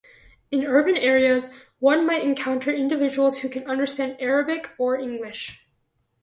In the urban areas, one might encounter individuals who can understand Arabic or English.